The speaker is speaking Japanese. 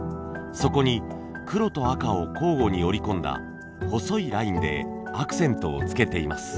そこに黒と赤を交互に織り込んだ細いラインでアクセントをつけています。